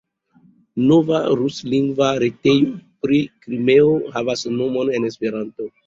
Nova ruslingva retejo pri Krimeo havas nomon en Esperanto.